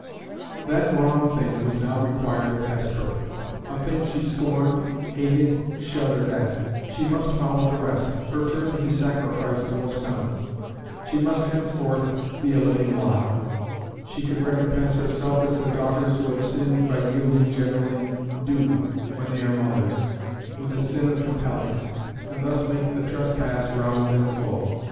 That wrong thing was now required of Hesper a thing she scorned, hated, shuddered at; she must follow the rest; her turn to be sacrificed was come; she must henceforth be a living lie. She could recompense herself as the daughters who have sinned by yielding generally do when they are mothers, with the sin of compelling, and thus make the trespass round and full.